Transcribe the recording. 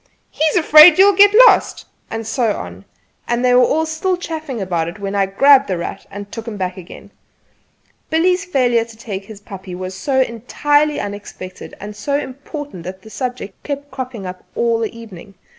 "He is afraid you'll get lost!" and so on; and they were still chaffing about it when I grabbed "The Rat" and took him back again. Billy's failure to take his puppy was so entirely unexpected and so important that the subject kept cropping up all the evening.